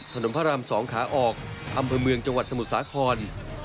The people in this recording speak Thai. พระราม๒ขาออกอำเภอเมืองจังหวัดสมุทรสาคร